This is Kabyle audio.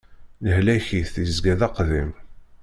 Lehlak-is yezga d aqdim.